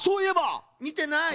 みてない。